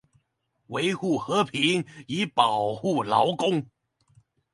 維護和平以保護勞工